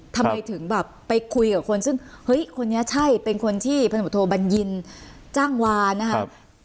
ทำไมถึงแบบไปคุยกับคนซึ่งเฮ้ยคนนี้ใช่เป็นคนที่พันธุโทบัญญินจ้างวานนะครับ